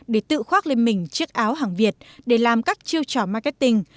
để tự khoác lên mình chiếc áo hàng việt để làm các chiêu trò marketing